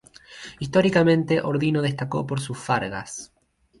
Históricamente, Ordino destacó por sus fargas.